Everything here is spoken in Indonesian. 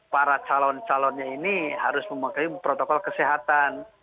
para calon calonnya ini harus memakai protokol kesehatan